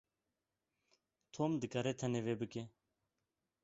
Tom dikare tenê vê bike.